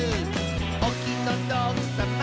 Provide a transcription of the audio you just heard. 「おきのどくさま」